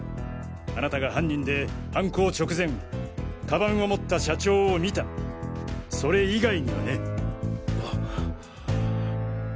あなたが犯人で犯行直前鞄を持った社長を見たそれ以外にはね！